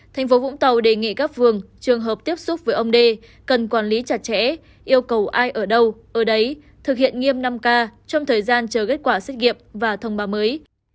thành phố vũng tàu đề nghị các phường trường hợp tiếp xúc với ông đê cần quản lý chặt chẽ yêu cầu ai ở đâu ở đấy thực hiện nghiêm năm k trong thời gian chờ kết quả xét nghiệm và thông báo mới